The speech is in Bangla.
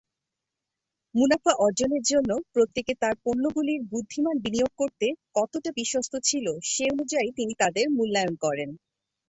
মুনাফা অর্জনের জন্য প্রত্যেকে তার পণ্যগুলির বুদ্ধিমান বিনিয়োগ করতে কতটা বিশ্বস্ত ছিল সে অনুযায়ী তিনি তাদের মূল্যায়ন করেন।